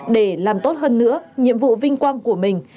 để làm tốt hơn nữa nhiệm vụ vinh quang của mình